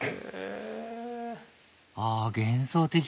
あ幻想的！